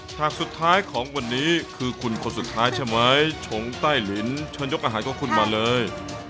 ฉากสุดท้ายของวันนี้คือคุณคนสุดท้ายใช่ไหมชงใต้ลินเชิญยกอาหารของคุณมาเลย